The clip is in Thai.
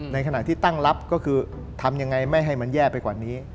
ในขณะที่ตั้งรับก็คือทำยังไงไม่ให้มันแย่ไปกว่านี้